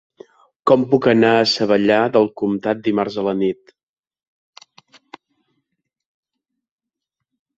Com puc anar a Savallà del Comtat dimarts a la nit?